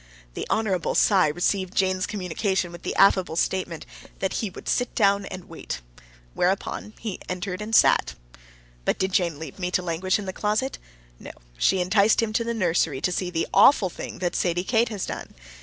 The Hon. Cy received Jane's communication with the affable statement that he would sit down and wait. Whereupon he entered and sat. But did Jane leave me to languish in the closet? No; she enticed him to the nursery to see the AWFUL thing that Sadie Kate has done.